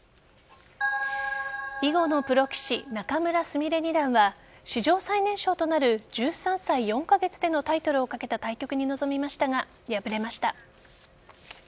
囲碁のプロ棋士・仲邑菫二段は史上最年少となる１３歳４カ月でのタイトルをかけた対局に臨みましたが敗れました。